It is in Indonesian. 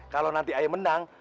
kalau nanti ayah menang